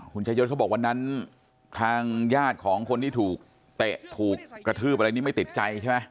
คุณชายศเขาบอกวันนั้นทางญาติของคนที่ถูกเตะถูกกระทืบอะไรนี่ไม่ติดใจใช่ไหม